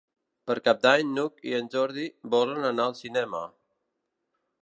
Per Cap d'Any n'Hug i en Jordi volen anar al cinema.